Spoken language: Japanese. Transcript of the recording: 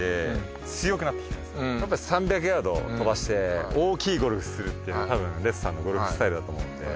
やっぱり３００ヤード飛ばして大きいゴルフするっていうのがたぶんＲＥＤさんのゴルフスタイルだと思うので。